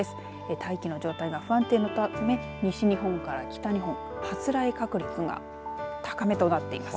大気の状態が不安定のため西日本から北日本発雷確率が高めとなっています。